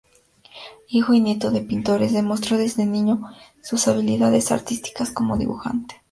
Hijo y nieto de pintores demostró desde niño sus habilidades artísticas como dibujante.